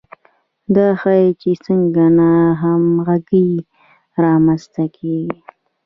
دا ښيي چې څنګه ناهمغږي رامنځته کیږي.